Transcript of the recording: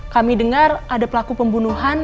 kami dengar ada pelaku pembunuhan